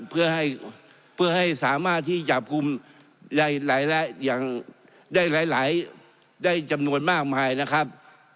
เพื่อให้สามารถที่จับกลุ่มได้หลายได้จำนวนมากมายนะครับ